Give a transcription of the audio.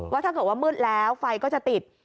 ว่าถ้าเกิดว่ามืดแล้วไฟก็จะติด